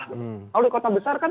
kalau di kota besar kan